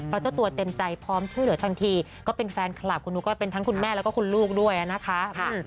เพราะเจ้าตัวเต็มใจพร้อมช่วยเหลือทันทีก็เป็นแฟนคลับคุณนุ๊กก็เป็นทั้งคุณแม่แล้วก็คุณลูกด้วยนะคะ